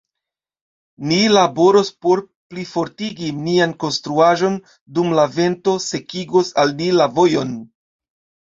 Ni laboros por plifortigi nian konstruaĵon, dum la vento sekigos al ni la vojon.